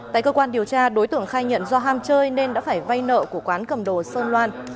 tại cơ quan điều tra đối tượng khai nhận do ham chơi nên đã phải vay nợ của quán cầm đồ sơn loan